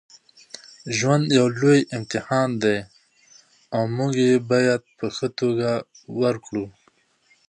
ژوند یو لوی امتحان دی او موږ یې باید په ښه توګه ورکړو.